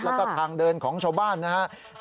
แล้วก็ทางเดินของชาวบ้านนะครับ